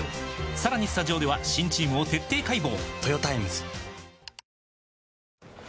さらにスタジオでは新チームを徹底解剖！